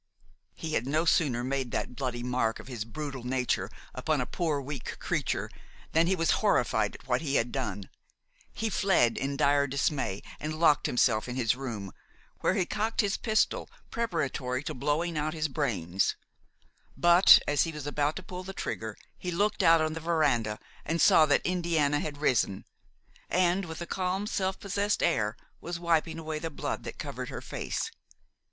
He had no sooner made that bloody mark of his brutal nature upon a poor, weak creature, than he was horrified at what he had done. He fled in dire dismay, and locked himself in his room, where he cocked his pistol preparatory to blowing out his brains; but as he was about to pull the trigger he looked out on the veranda and saw that Indiana had risen and, with a calm, self possessed air, was wiping away the blood that covered her face.